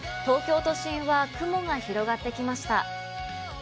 東京都心は雲が広がってきました。